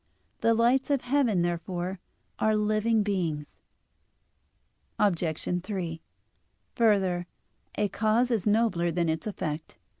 The lights of heaven, therefore, are living beings. Obj. 3: Further, a cause is nobler than its effect.